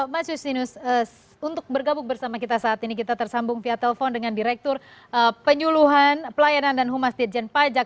mas justinus untuk bergabung bersama kita saat ini kita tersambung via telepon dengan direktur penyuluhan pelayanan dan humas dirjen pajak